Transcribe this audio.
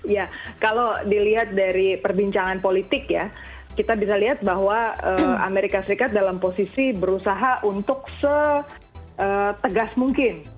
ya kalau dilihat dari perbincangan politik ya kita bisa lihat bahwa amerika serikat dalam posisi berusaha untuk setegas mungkin